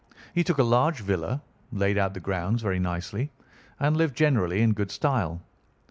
He took a large villa, laid out the grounds very nicely, and lived generally in good style.